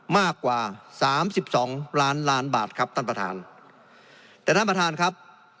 มากกว่าสามสิบสองล้านล้านบาทครับท่านประธานแต่ท่านประธานครับ